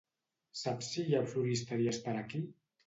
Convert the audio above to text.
Saps si hi ha floristeries per aquí?